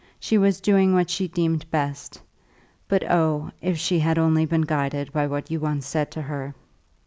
She was doing what she deemed best; but oh, if she had only been guided by what you once said to her!